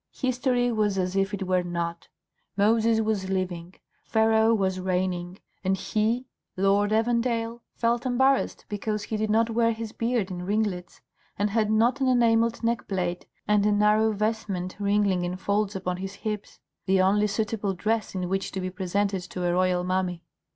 History was as if it were not: Moses was living, Pharaoh was reigning, and he, Lord Evandale, felt embarrassed because he did not wear his beard in ringlets, and had not an enamelled neck plate and a narrow vestment wrinkling in folds upon his hips, the only suitable dress in which to be presented to a royal mummy.